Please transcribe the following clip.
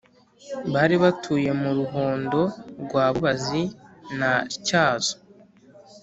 Bari batuye mu Ruhondo rwa Bubazi na Tyazo.